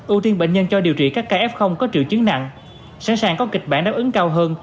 ưu tiên bệnh nhân cho điều trị các ca f có triệu chứng nặng sẵn sàng có kịch bản đáp ứng cao hơn